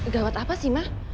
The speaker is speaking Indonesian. gawat apa sih ma